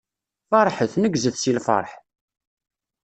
Feṛḥet, neggzet si lfeṛḥ!